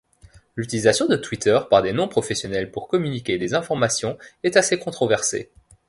L'utilisation de Twitter par des non-professionnels pour communiquer des informations est assez controversée.